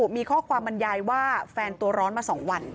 มีข้อความบรรยายว่าแฟนตัวร้อนมา๒วัน